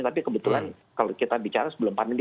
tapi kebetulan kalau kita bicara sebelum pandemi